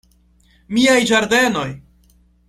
Miaj ĝardenoj!